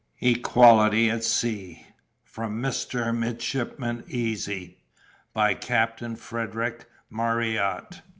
EQUALITY AT SEA (From Mr. Midshipman Easy.) By CAPTAIN FREDERICK MARRYAT.